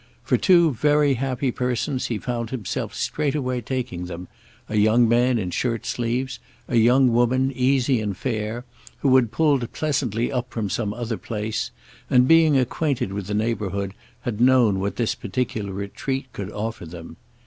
For two very happy persons he found himself straightway taking them—a young man in shirt sleeves, a young woman easy and fair, who had pulled pleasantly up from some other place and, being acquainted with the neighbourhood, had known what this particular retreat could offer them.